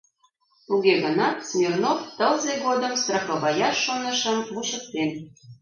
Туге гынат Смирнов тылзе годым страховаяш шонышым вучыктен.